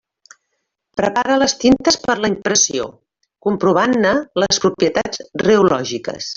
Prepara les tintes per a la impressió, comprovant-ne les propietats reològiques.